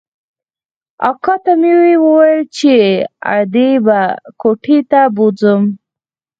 اکا ته مې وويل چې ادې به کوټې ته بوځم.